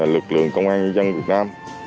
lực lượng công an nhân dân việt nam